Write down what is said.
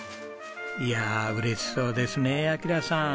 いや嬉しそうですね暁良さん。